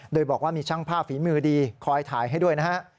โดยบอกว่ามีช่างภาพฝีมือดีคอยถ่ายให้ด้วยนะฮะ